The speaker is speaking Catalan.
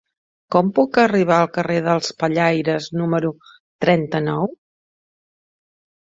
Com puc arribar al carrer dels Pellaires número trenta-nou?